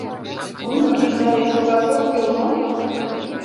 Нуным виктарен шогаш ок кӱл мо?